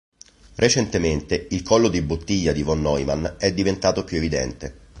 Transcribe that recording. Recentemente, il collo di bottiglia di Von Neumann è diventato più evidente.